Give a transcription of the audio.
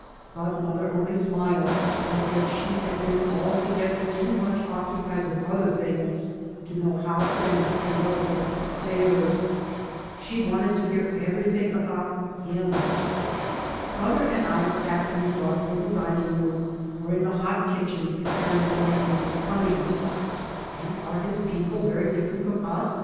But mother only smiled and said that she had been altogether too much occupied with other things to know how friends and relatives fared. She wanted to hear everything about " him." Mother and I sat tn the dark little dining: room or in the hot kitchen preparing for my lover's coming. " And are his people very 3 by Google MY MOTHER AND I different from us?"